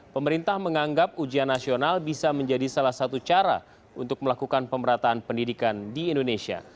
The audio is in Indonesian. pemerintah menganggap ujian nasional bisa menjadi salah satu cara untuk melakukan pemerataan pendidikan di indonesia